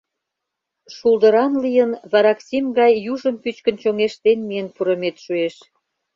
Шулдыран лийын, вараксим гай южым пӱчкын чоҥештен миен пурымет шуэш.